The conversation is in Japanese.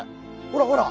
ほらほら！